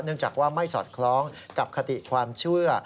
จากว่าไม่สอดคล้องกับคติความเชื่อ